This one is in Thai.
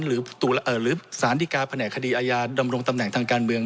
หรือสารดีกาแผนกคดีอาญาดำรงตำแหน่งทางการเมือง